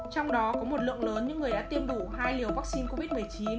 trong đó có một lượng lớn những người đã tiêm đủ hai liều vaccine covid một mươi chín